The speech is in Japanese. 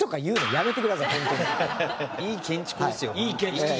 いい建築でしょ？